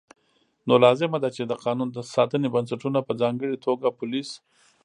نو لازمه ده چې د قانون ساتنې بنسټونه په ځانګړې توګه پولیس